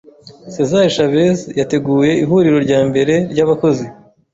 Cesar Chavez yateguye ihuriro ryambere ryabakozi